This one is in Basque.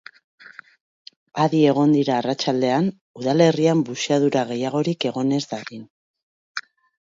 Adi egon dira arratsaldean, udalerrian buxadura gehiagorik egon ez dadin.